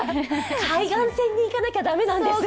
海岸線に行かなきゃ駄目なんですよ。